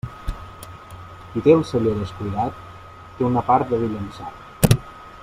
Qui té el celler descuidat té una part de vi llençat.